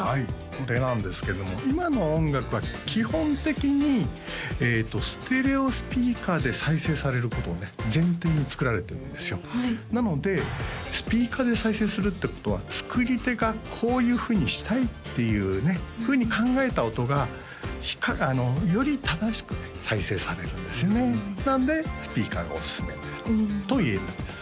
これなんですけども今の音楽は基本的にステレオスピーカーで再生されることをね前提に作られてるんですよなのでスピーカーで再生するってことは作り手がこういうふうにしたいっていうふうに考えた音がより正しく再生されるんですよねなのでスピーカーがおすすめですと言えるんです